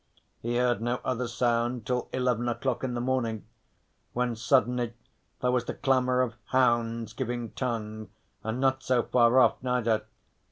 He heard no other sound till eleven o'clock in the morning when suddenly there was the clamour of hounds giving tongue and not so far off neither.